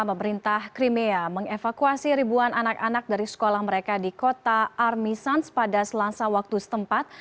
pemerintah crimea mengevakuasi ribuan anak anak dari sekolah mereka di kota armisans pada selasa waktu setempat